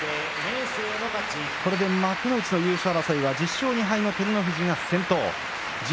これで幕内の優勝争いは１０勝２敗の照ノ富士が先頭。